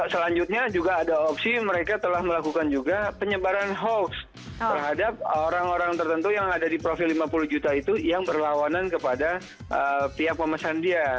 selanjutnya juga ada opsi mereka telah melakukan juga penyebaran hoax terhadap orang orang tertentu yang ada di profil lima puluh juta itu yang berlawanan kepada pihak pemesan dia